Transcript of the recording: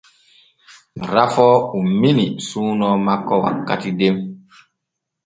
Rafoo ummini suuno makko wakkati den.